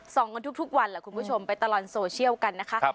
กันทุกวันแหละคุณผู้ชมไปตลอดโซเชียลกันนะคะ